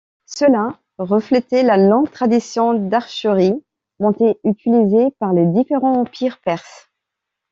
Cela reflétait la longue tradition d'archerie montée utilisée par les différents empires perses.